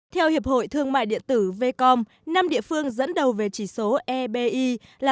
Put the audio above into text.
theo hiệp hội thương mại điện tử vcom năm địa phương dẫn đầu về chỉ số ebi là